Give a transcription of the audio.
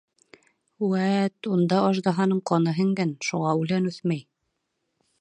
Вәт, унда аждаһаның ҡаны һеңгән, шуға үлән үҫмәй.